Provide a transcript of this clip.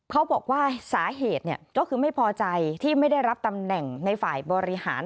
เขาบอกว่าสาเหตุก็คือไม่พอใจที่ไม่ได้รับตำแหน่งในฝ่ายบริหาร